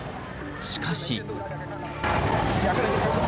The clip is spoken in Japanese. しかし。